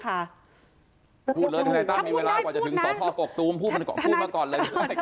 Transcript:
ถ้าในตั้งมีเวลากว่าจะถึงสตกกตูมผู้บรรกภูมิมาก่อนเลย